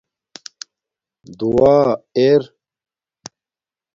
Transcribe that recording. دُعا اِر